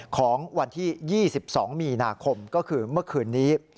ของวันที่๒๒มีนาคมก็คือเมื่อคืนนี้